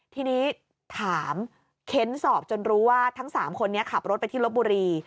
ทีนี้ถามเค้นสอบจนรู้ว่าทั้ง๓คนนี้ขับรถไปที่ลบบุรี